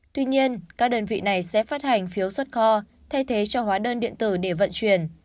tuy nhiên các đơn vị này sẽ phát hành phiếu xuất kho thay thế cho hóa đơn điện tử để vận chuyển